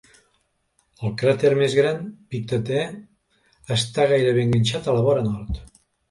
El cràter més gran, Pictet E, està gairebé enganxat a la vora nord.